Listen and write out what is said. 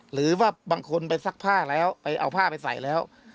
หรือว่าบางคนไปซักผ้าแล้วไปเอาผ้าไปใส่แล้ว